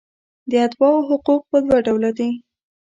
د اتباعو حقوق په دوه ډوله دي.